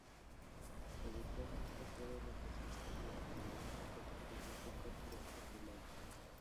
Eventualmente, puede reemplazarse los caramelos por tiras de coco fresco pelado.